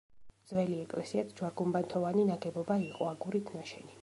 ძველი ეკლესიაც ჯვარ-გუმბათოვანი ნაგებობა იყო, აგურით ნაშენი.